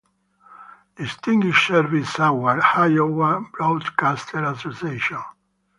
Distinguished Service Award, Iowa Broadcasters Association.